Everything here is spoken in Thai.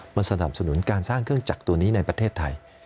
สนับสนุนการสร้างเครื่องจักรตัวนี้ในประเทศไทย